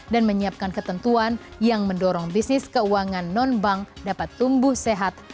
dan menyiapkan ketentuan yang mendorong bisnis keuangan non bank dapat tumbuh sehat